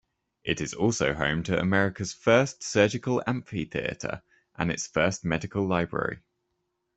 It is also home to America's first surgical amphitheatre and its first medical library.